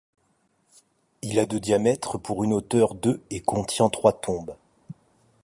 Il a de diamètre, pour une hauteur de et contient trois tombes.